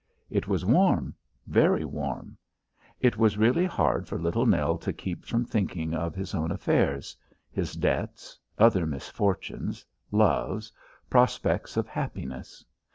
It was warm, very warm. It was really hard for Little Nell to keep from thinking of his own affairs: his debts, other misfortunes, loves, prospects of happiness.